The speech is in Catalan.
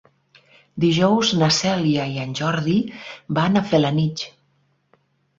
Dijous na Cèlia i en Jordi van a Felanitx.